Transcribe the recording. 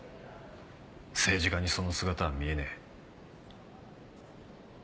政治家にその姿は見えねえ。